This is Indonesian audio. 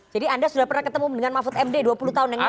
jadi anda sudah pernah ketemu dengan mahfud md dua puluh tahun yang lalu